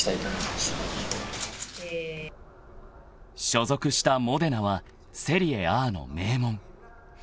［所属したモデナはセリエＡの名門］